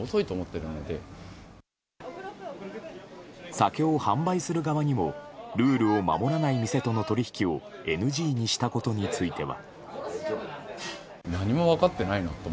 酒を販売する側にもルールを守らない店との取引をＮＧにしたことについては。